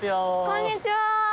こんにちは。